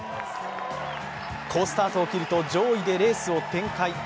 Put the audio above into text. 好スタートを切ると上位でレースを展開。